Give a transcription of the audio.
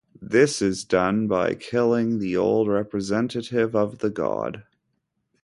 This is done by killing the old representative of the god.